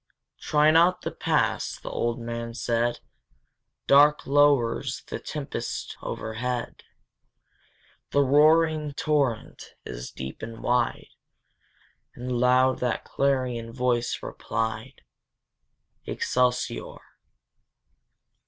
"Try not the Pass!" the old man said: "Dark lowers the tempest overhead, The roaring torrent is deep and wide! And loud that clarion voice replied, Excelsior!